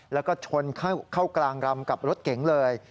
แล้วก็ชนเข้ากลางรำกับรถเก๋งเลย